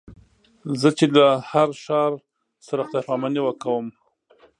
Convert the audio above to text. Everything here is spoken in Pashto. زه چې له هر ښار سره خدای پاماني کوم.